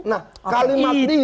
nah kalimat dia